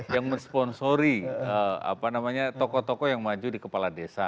yang mensponsori tokoh tokoh yang maju di kepala desa